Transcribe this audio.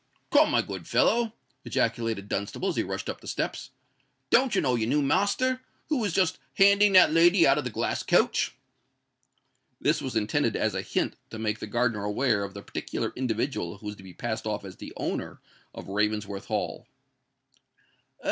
"Come, my good fellow," ejaculated Dunstable, as he rushed up the steps; "don't you know your new master, who is just handing that lady out of the glass coach?" This was intended as a hint to make the gardener aware of the particular individual who was to be passed off as the owner of Ravensworth Hall.